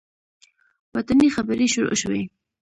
وطني خبرې شروع شوې.